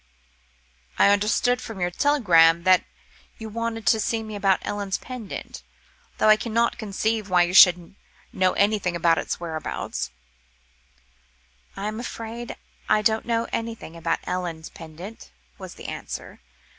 "I understood from your telegram that you wanted to see me about Ellen's pendant, though I cannot conceive why you should know anything about its whereabouts." "I am afraid I don't know anything about Ellen's pendant," was the answer.